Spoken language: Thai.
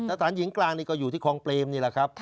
สถานหญิงกลางนี่ก็อยู่ที่คลองเปรมนี่แหละครับ